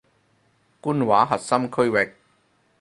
官話核心區域